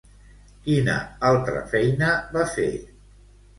Quina altra feina va fer?